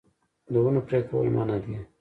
د ونو پرې کول منع دي